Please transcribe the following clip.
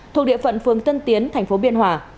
thuộc địa phận phường tân tiến tp biên hòa